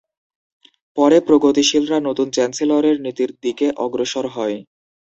পরে প্রগতিশীলরা নতুন চ্যান্সেলরের নীতির দিকে অগ্রসর হয়।